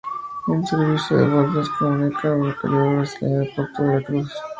Un servicio de balsas la comunica con la localidad brasileña de Porto Vera Cruz.